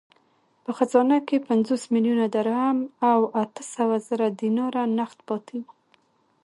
په خزانه کې پنځوس میلیونه درم او اته سوه زره دیناره نغد پاته وو.